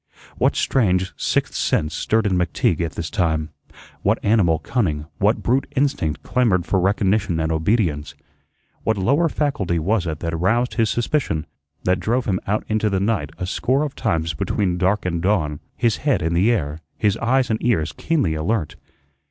What strange sixth sense stirred in McTeague at this time? What animal cunning, what brute instinct clamored for recognition and obedience? What lower faculty was it that roused his suspicion, that drove him out into the night a score of times between dark and dawn, his head in the air, his eyes and ears keenly alert?